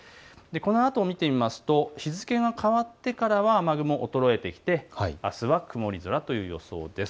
このあとを見てみますと日付が変わったからは雨雲、衰えてきてあすは曇り空という予想です。